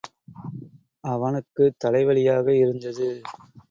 அவனுக்குத் தலைவலியாக இருந்தது.